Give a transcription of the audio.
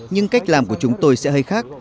nhưng cách làm của chúng tôi sẽ hơi khác